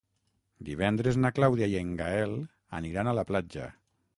Divendres na Clàudia i en Gaël aniran a la platja.